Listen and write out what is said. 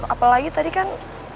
apalagi tadi kan